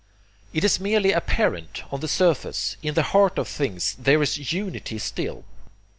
It is merely apparent, on the surface. In the heart of things there is Unity still.